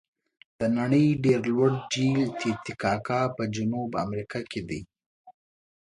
د نړۍ ډېر لوړ جهیل تي تي کاکا په جنوب امریکا کې دی.